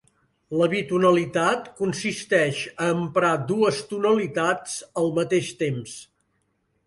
La bitonalitat consisteix a emprar dues tonalitats al mateix temps.